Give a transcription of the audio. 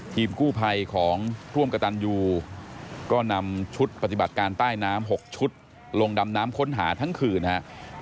ทีมกู้ภัยของร่วมกระตันยูก็นำชุดปฏิบัติการใต้น้ำ๖ชุดลงดำน้ำค้นหาทั้งคืนฮะ